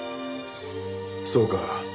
そうか。